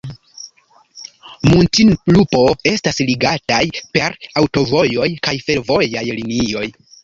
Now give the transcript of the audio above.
Muntinlupo estas ligataj per aŭtovojoj kaj fervojaj linioj.